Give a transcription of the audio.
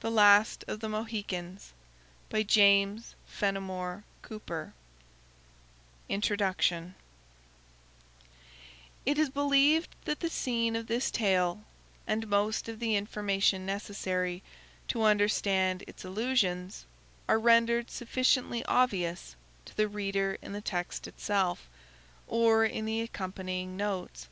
CHAPTER XXXI. CHAPTER XXXII. CHAPTER XXXIII. INTRODUCTION It is believed that the scene of this tale, and most of the information necessary to understand its allusions, are rendered sufficiently obvious to the reader in the text itself, or in the accompanying notes.